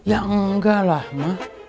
ya enggak lah ma